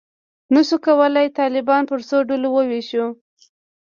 نه شو کولای طالبان پر څو ډلو وویشو.